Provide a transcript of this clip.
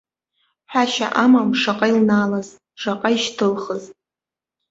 Ҳәашьа амам шаҟа илнаалаз, шаҟа ишьҭылхыз.